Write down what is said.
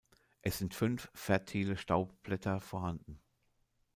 Es sind fünf fertile Staubblätter vorhanden.